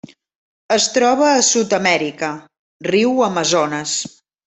Es troba a Sud-amèrica: riu Amazones.